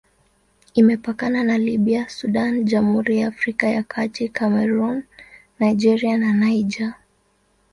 Imepakana na Libya, Sudan, Jamhuri ya Afrika ya Kati, Kamerun, Nigeria na Niger.